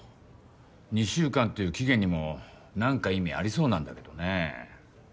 ２週間っていう期限にも何か意味ありそうなんだけどね。